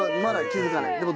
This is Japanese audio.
まだ気付かない。